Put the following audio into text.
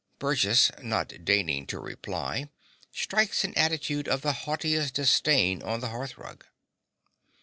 (Burgess, not deigning to reply, strikes an attitude of the haughtiest disdain on the hearth rug.)